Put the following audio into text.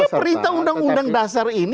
perintah undang undang dasar ini